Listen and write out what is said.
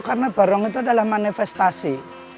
karena barong itu adalah manifestasi